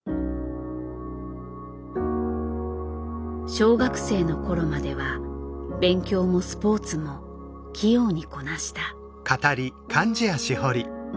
小学生の頃までは勉強もスポーツも器用にこなした。